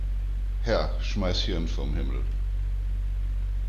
Herr, schmeiß Hirn vom Himmel.